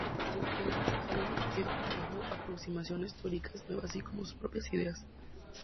En sus clases, Hawley siempre trajo aproximaciones teóricas nuevas así como sus propias ideas.